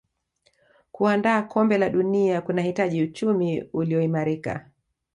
kuandaa kombe la dunia kunahitaji uchumi uliyoimarika